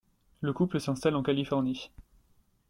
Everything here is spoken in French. Le couple s'installe en Californie.